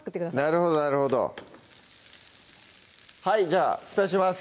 なるほどなるほどはいじゃあふたします